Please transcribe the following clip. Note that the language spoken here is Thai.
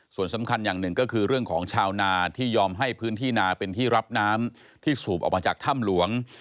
ส่วนสำคัญอย่างหนึ่งก็คือเรื่องของชาวนาที่ยอมให้พื้นที่นาเป็นที่รับน้ำที่สูบออกมาจากถ้ำหลวง